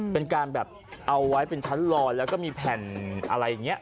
เป็นการแบบเอาไว้เป็นชั้นลอยแล้วก็มีแผ่นอะไรอย่างนี้